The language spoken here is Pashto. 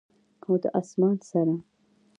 او د اسمان سره،